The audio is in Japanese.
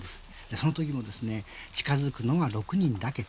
そのときも近づくのは６人だけ。